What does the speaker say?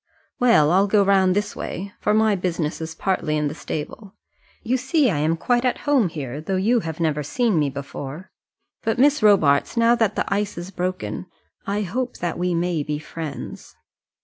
"Well, I'll go round this way, for my business is partly in the stable. You see I am quite at home here, though you never have seen me before. But, Miss Robarts, now that the ice is broken, I hope that we may be friends."